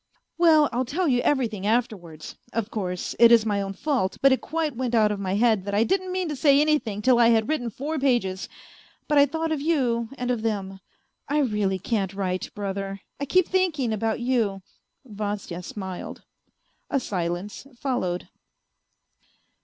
" Well, I'll tell you everything afterwards. Of course, it is my own fault, but it quite went out of my head that I didn't mean to say anything till I had written four pages, but I thought of you and of them. I really can't write, brother, I keep thinking about you. ..." Vasya smiled. A silence followed.